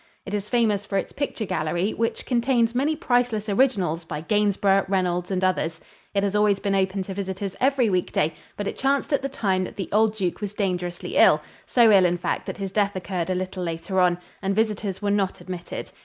It is famous for its picture gallery, which contains many priceless originals by Gainsborough, Reynolds and others. It has always been open to visitors every week day, but it chanced at the time that the old duke was dangerously ill so ill, in fact, that his death occurred a little later on and visitors were not admitted.